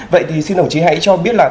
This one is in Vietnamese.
vậy thì xin đồng chí hãy cho biết là